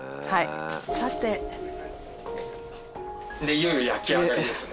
いよいよ焼き上がりですよね？